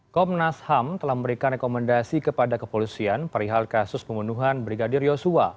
komnas ham telah memberikan rekomendasi kepada kepolisian perihal kasus pembunuhan brigadir yosua